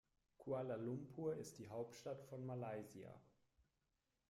Kuala Lumpur ist die Hauptstadt von Malaysia.